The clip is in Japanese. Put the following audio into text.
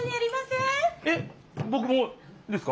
えっぼくもですか？